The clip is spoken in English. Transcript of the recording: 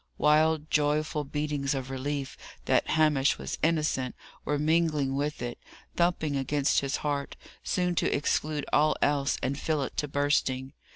Wild, joyful beatings of relief, that Hamish was innocent, were mingling with it, thumping against his heart, soon to exclude all else and fill it to bursting.